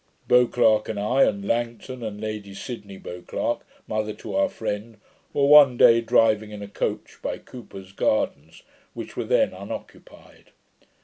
'Beauclerk and I, and Langton, and Lady Sydney Beauclerk, mother to our friend, were one day driving in a coach by Cuper's Gardens, which were then unoccupied.